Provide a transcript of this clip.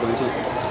dạ vâng chị